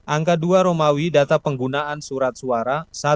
angka dua romawi data penggunaan surat suara